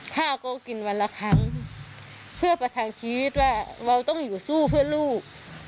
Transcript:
ข้าวก็กินวันละครั้งเพื่อประทังชีวิตว่าเราต้องอยู่สู้เพื่อลูก